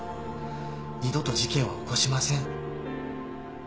「二度と事件は起こしません」